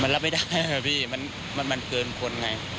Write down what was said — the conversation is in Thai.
มันรับไม่ได้นะครับพี่มันเกินคนไง